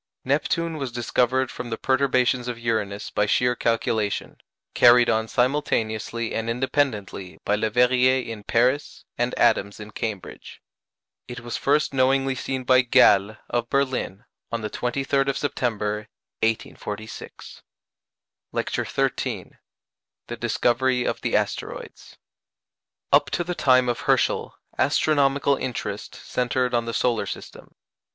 Neptune was discovered from the perturbations of Uranus by sheer calculation, carried on simultaneously and independently by Leverrier in Paris, and Adams in Cambridge. It was first knowingly seen by Galle, of Berlin, on the 23rd of September, 1846. LECTURE XIII THE DISCOVERY OF THE ASTEROIDS Up to the time of Herschel, astronomical interest centred on the solar system.